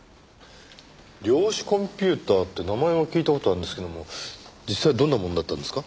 量子コンピューターって名前は聞いた事あるんですけども実際どんなものだったんですか？